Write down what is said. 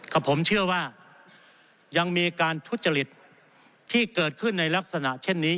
กับผมเชื่อว่ายังมีการทุจริตที่เกิดขึ้นในลักษณะเช่นนี้